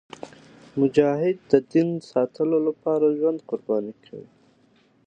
مجاهد د دین ساتلو لپاره ژوند قربانوي.